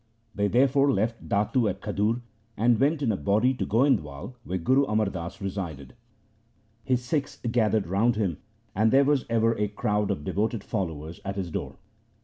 They therefore left Datu at Khadur and went in a body to Goindwal, where Guru Amar Das resided. His Sikhs gathered round him, and there was ever a crowd of devoted followers at his door.